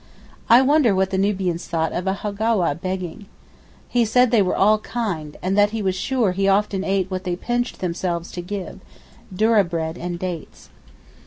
I wonder what the Nubians thought of a howagah begging. He said they were all kind, and that he was sure he often ate what they pinched themselves to give—dourrah bread and dates.